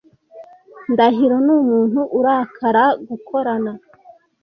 Ndahiro numuntu urakara gukorana